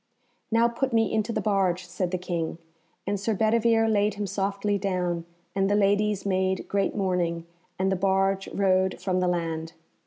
"Now put me into the barge," said the King, and Sir Bedivere laid him softly down, and the ladies made great mourning, and the barge rowed from the land.